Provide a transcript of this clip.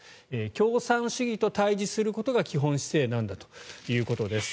共産主義と対峙することが基本姿勢なんだということです。